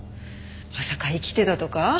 まさか生きてたとか？